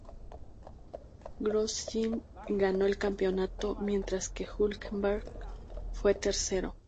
Grosjean ganó el campeonato, mientras que Hülkenberg fue tercero.